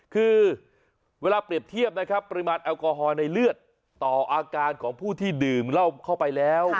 คือเวลาเปรียบเทียบนะครับปริมาณแอลกอฮอล์ในเลือดต่ออาการของผู้ที่ดื่มเหล้าเข้าไปแล้ว